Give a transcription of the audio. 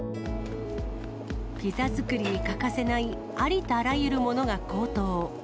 ピザ作りに欠かせないありとあらゆるものが高騰。